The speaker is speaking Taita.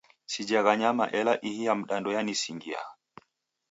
Sijagha nyama ela ihi ya mdando yanisingia.